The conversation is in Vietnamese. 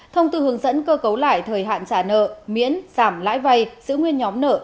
thông tư hướng dẫn cơ cấu lại thời hạn trả nợ miễn giảm lãi vay giữ nguyên nhóm nợ